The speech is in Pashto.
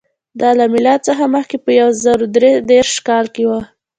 دا له میلاد څخه مخکې په یو سوه درې دېرش کال کې و